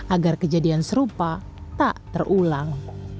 agar kejadian serupa tak terulang